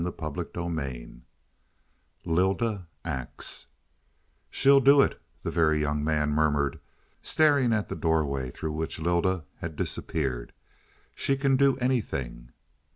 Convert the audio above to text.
CHAPTER XXIV LYLDA ACTS "She'll do it," the Very Young Man murmured, staring at the doorway through which Lylda had disappeared. "She can do anything."